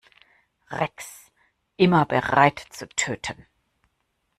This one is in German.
Rex, immer bereit zu töten.